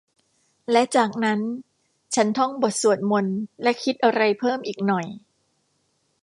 และจากนั้นฉันท่องบทสวดมนต์และคิดอะไรเพิ่มอีกหน่อย